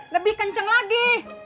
lebih kenceng lagi